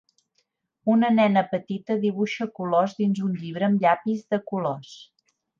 Una nena petita dibuixa colors dins un llibre amb llapis de colors